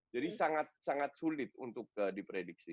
sangat sangat sulit untuk diprediksi